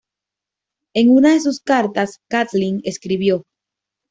En una de sus cartas, Catlin escribió.